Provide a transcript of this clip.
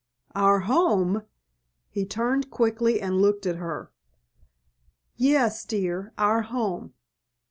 "Our home?" He turned quickly and looked at her. "Yes, dear, our home.